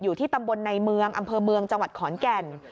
อยู่ที่ตำบลในเมืองอำเภอเมืองจังหวัดขอนแก่น